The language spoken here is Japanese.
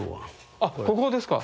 あっここですか。